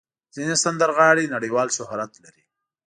ځینې سندرغاړي نړیوال شهرت لري.